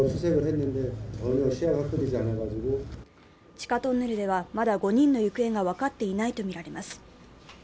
地下トンネルではまだ５人の行方が分かっていないとみられます。